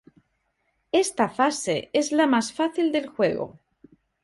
Esta fase es la más fácil del juego.